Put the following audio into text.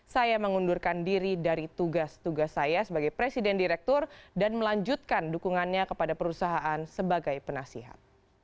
saya mengundurkan diri dari tugas tugas saya sebagai presiden direktur dan melanjutkan dukungannya kepada perusahaan sebagai penasihat